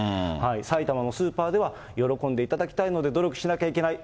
埼玉のスーパーでは、喜んでいただきたいので努力しなきゃいけない。